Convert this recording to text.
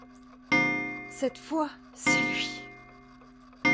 Cette fois, c'est lui !